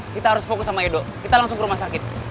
kita harus fokus sama edo kita langsung ke rumah sakit